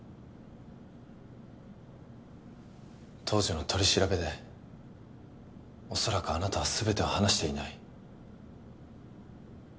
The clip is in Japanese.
当時の取り調べでおそらくあなたは全てを話していない。